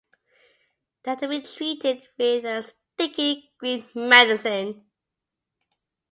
They had to be treated with a sticky green medicine.